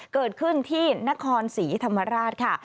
เกิดขึ้นที่นครศรีธรรมราชค่ะ